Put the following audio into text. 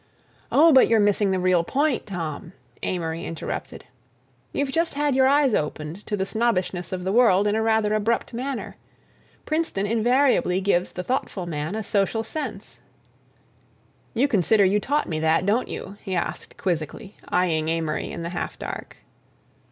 "Oh, but you're missing the real point, Tom," Amory interrupted. "You've just had your eyes opened to the snobbishness of the world in a rather abrupt manner. Princeton invariably gives the thoughtful man a social sense." "You consider you taught me that, don't you?" he asked quizzically, eying Amory in the half dark.